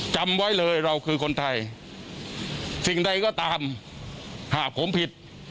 จำไว้เลยเราคือคนไทยสิ่งใดก็ตามหากผมผิด